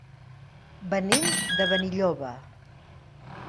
Venim de Benilloba.